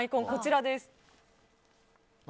こちらです。